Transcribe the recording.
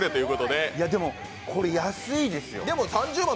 でもこれ安いですよ。